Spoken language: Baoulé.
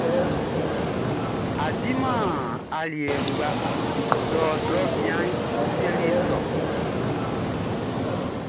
Ɔ diman aliɛ kpa, dɔrtrɔ bianʼn seli sɔ.